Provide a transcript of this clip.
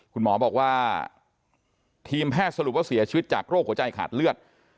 คุณหมอบอกว่าทีมแพทย์สรุปว่าเสียชีวิตจากโรคหัวใจขาดเลือด